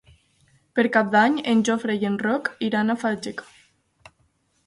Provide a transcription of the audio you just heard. Per Cap d'Any en Jofre i en Roc iran a Fageca.